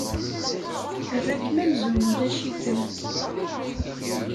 Terra-kem amzun ulac-ikem.